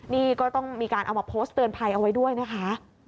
นี่ก็ต้องมีการเอามาโพสต์เตือนภัยเอาไว้ด้วยนะคะ